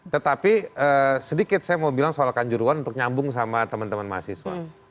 tetapi sedikit saya mau bilang soal kanjuruhan untuk nyambung sama teman teman mahasiswa